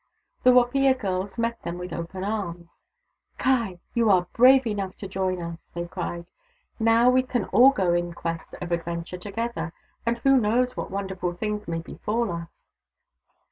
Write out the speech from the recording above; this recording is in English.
The Wapiya girls met them with open arms. " Ky ! You are brave enough to join us !" they cried. " Now we can all go in quest of adventure together, and who knows what wonderful things may befall us